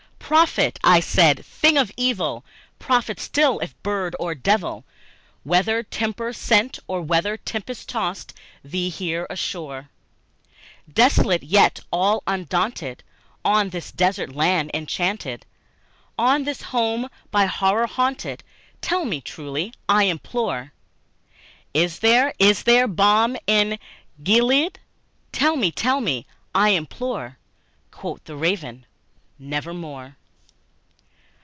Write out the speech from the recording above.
"Prophet," said I, "thing of evil prophet still, if bird or devil! Whether tempter sent, or whether tempest tossed thee here ashore Desolate, yet all undaunted, on this desert land enchanted, On this home by horror haunted tell me truly, I implore, Is there is there balm in Gilead? tell me, tell me, I implore!" Quoth the Raven, "Nevermore."